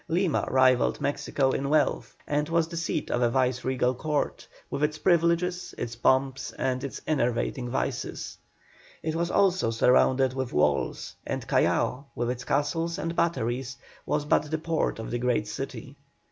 Lima rivalled Mexico in wealth, and was the seat of a viceregal court, with its privileges, its pomps, and its enervating vices. It was also surrounded with walls, and Callao, with its castles and batteries, was but the port of the great city.